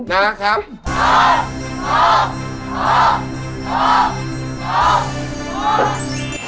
แว็กซี่ตำแหน่งที่๑ครับ